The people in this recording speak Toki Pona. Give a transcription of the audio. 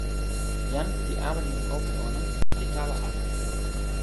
jan li awen lon open ona, li tawa ala.